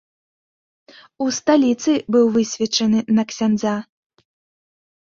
У сталіцы быў высвечаны на ксяндза.